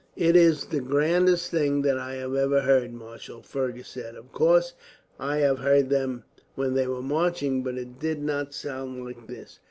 "It is the grandest thing that I have ever heard, marshal," Fergus said. "Of course, I have heard them when they were marching, but it did not sound like this."